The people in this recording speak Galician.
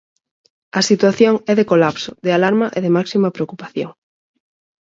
A situación é de colapso, de alarma e de máxima preocupación.